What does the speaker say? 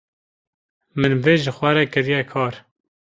min vê ji xwe re kirîye kar.